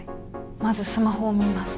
まずスマホを見ます。